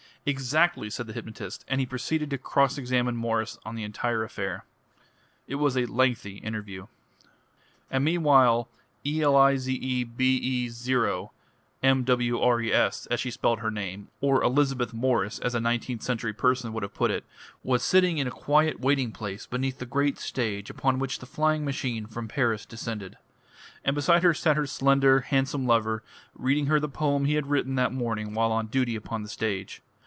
"Exactly," said the hypnotist. And he proceeded to cross examine Mwres on the entire affair. It was a lengthy interview. And meanwhile "Elizebeθ Mwres," as she spelt her name, or "Elizabeth Morris" as a nineteenth century person would have put it, was sitting in a quiet waiting place beneath the great stage upon which the flying machine from Paris descended. And beside her sat her slender, handsome lover reading her the poem he had written that morning while on duty upon the stage.